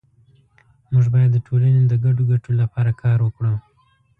مونږ باید د ټولنې د ګډو ګټو لپاره کار وکړو